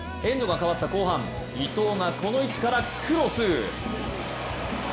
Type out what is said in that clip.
エンドが変わった後半、伊東がこの位置からクロス。